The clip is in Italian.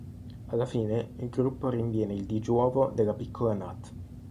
Alla fine, il gruppo rinviene il Digiuovo della Piccola Nat.